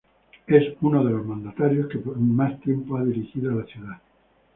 Es uno de los mandatarios que por más tiempo ha dirigido a la ciudad.